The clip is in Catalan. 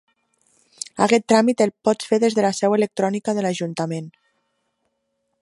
Aquest tràmit el pots fer des de la seu electrònica de l'Ajuntament.